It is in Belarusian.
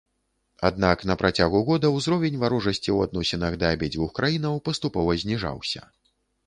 Аднак на працягу года ўзровень варожасці ў адносінах да абедзвюх краінаў паступова зніжаўся.